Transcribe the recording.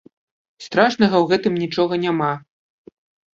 Страшнага ў гэтым нічога няма.